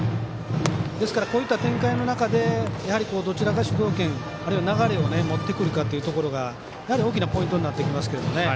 ですから、こういった展開の中でどちらか主導権あるいは流れを持ってくるかっていうところがやはり大きなポイントになってきますけどね。